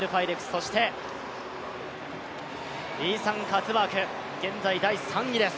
そしてイーサン・カツバーグ現在３位です。